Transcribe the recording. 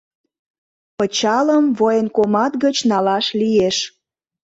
Пычалым военкомат гыч налаш лиеш.